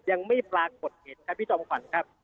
ยังไม่ปรากฏเห็นครับพี่จอมขวัญครับ